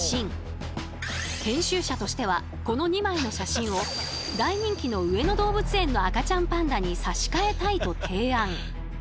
編集者としてはこの２枚の写真を大人気の上野動物園の赤ちゃんパンダに差し替えたいと提案。